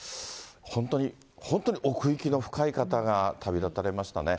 本当に、本当に奥行きの深い方が旅立たれましたね。